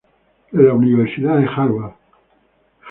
En la Universidad de Harvard.